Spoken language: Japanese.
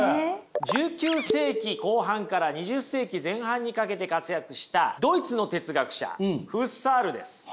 １９世紀後半から２０世紀前半にかけて活躍したドイツの哲学者フッサールです。